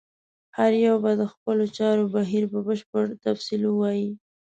هر یو به د خپلو چارو بهیر په بشپړ تفصیل ووایي.